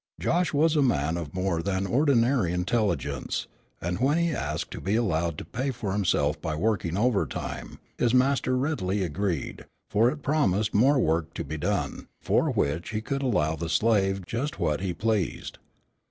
Josh was a man of more than ordinary intelligence; and when he asked to be allowed to pay for himself by working overtime, his master readily agreed, for it promised more work to be done, for which he could allow the slave just what he pleased.